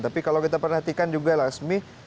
tapi kalau kita perhatikan juga laksmi